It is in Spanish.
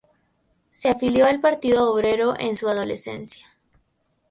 Se afilió al Partido Obrero en su adolescencia.